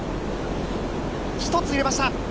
１つ入れました。